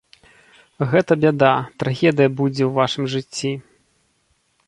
Гэта бяда, трагедыя будзе ў вашым жыцці.